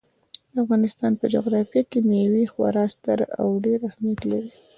د افغانستان په جغرافیه کې مېوې خورا ستر او ډېر اهمیت لري.